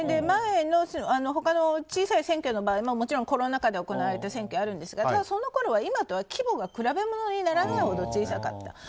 前の小さい選挙の場合ももちろんコロナ禍で行われた選挙あるんですがそのころは今とは規模が比べ物にならないほど小さかった。